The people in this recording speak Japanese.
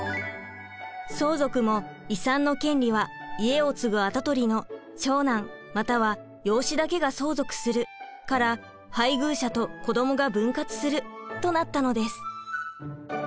相続も遺産の権利は「家を継ぐ跡取りの長男または養子だけが相続する」から「配偶者と子どもが分割する」となったのです。